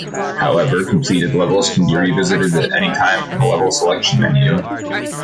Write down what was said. However, completed levels can be re-visited at any time from the level selection menu.